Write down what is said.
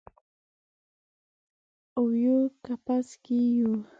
اویو کپس کې یو